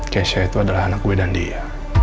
kesha itu adalah anak gue dan dia